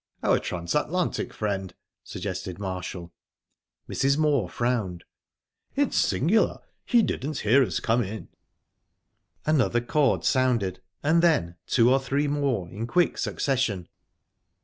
"Our Transatlantic friend," suggested Marshall. Mrs. Moor frowned. "It's singular he didn't hear us come in." Another chord sounded, and then two or three more in quick succession.